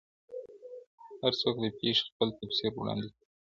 هر څوک د پیښي خپل تفسير وړاندي کوي,